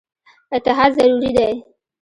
اتحاد ضروري دی.